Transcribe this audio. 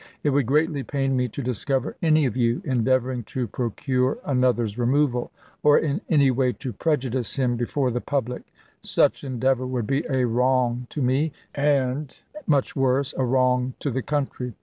It would greatly pain me to discover any of you endeavoring to procure another's removal, or in any way to prejudice him before the public. Such endeavor would be a wrong to me, and, much worse, a wrong to the country.